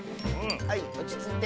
はいおちついて。